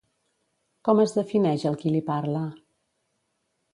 Com es defineix el qui li parla?